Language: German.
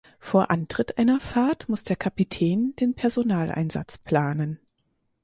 Vor Antritt einer Fahrt muss der Kapitän den Personaleinsatz planen.